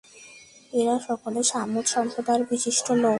এরা সকলেই ছামূদ সম্প্রদায়ের বিশিষ্ট লোক।